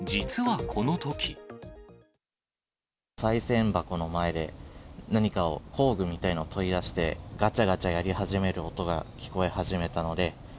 さい銭箱の前で何かを、工具みたいなのを取り出して、がちゃがちゃやり始める音が聞こえ始めたので、